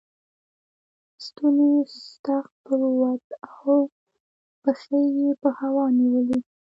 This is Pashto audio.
ستونی ستغ پر ووت او پښې یې په هوا ونیولې.